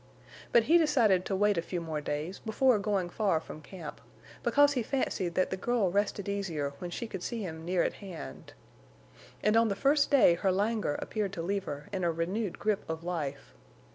But he decided to wait a few more days before going far from camp, because he fancied that the girl rested easier when she could see him near at hand. And on the first day her languor appeared to leave her in a renewed grip of life.